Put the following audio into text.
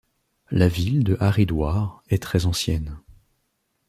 La ville de Haridwar est très ancienne.